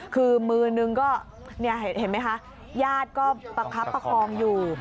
คือมือนึงก็เห็นไหมคะญาติก็ประคับประคองอยู่